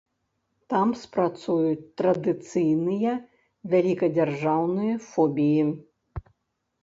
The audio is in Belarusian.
Там спрацуюць традыцыйныя вялікадзяржаўныя фобіі.